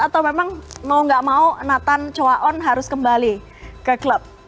atau memang mau gak mau nathan choa on harus kembali ke klub